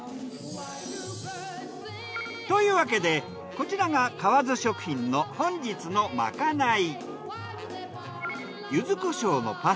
というわけでこちらが川津食品の本日のまかない。